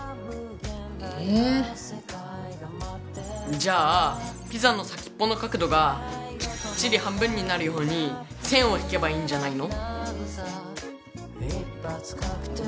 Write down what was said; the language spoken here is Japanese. じゃあピザの先っぽの角度がきっちり半分になるように線を引けばいいんじゃないの？